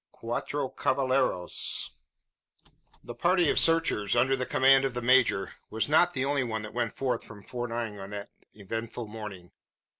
CUATRO CAVALLEROS. The party of searchers, under the command of the major, was not the only one that went forth from Fort Inge on that eventful morning.